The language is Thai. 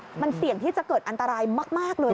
มากมันเสียที่มันจะเกิดอันตรายมากมากเลย